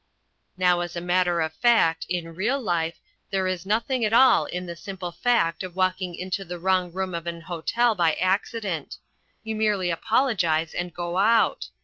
Now as a matter of fact, in real life, there is nothing at all in the simple fact of walking into the wrong room of an hotel by accident. You merely apologise and go out.